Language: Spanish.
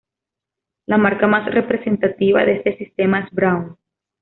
La marca más representativa de este sistema es Braun.